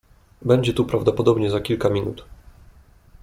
"Będzie tu prawdopodobnie za kilka minut."